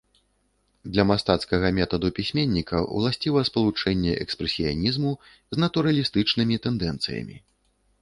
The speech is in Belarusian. Для мастацкага метаду пісьменніка ўласціва спалучэнне экспрэсіянізму з натуралістычнымі тэндэнцыямі.